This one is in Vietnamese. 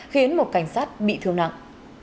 khiến một cảnh sát bị thương nặng